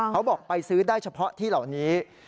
เขาบอกไปซื้อได้เฉพาะที่เหล่านี้